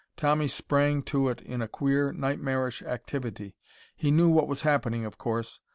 Tommy sprang to it in a queer, nightmarish activity. He knew what was happening, of course.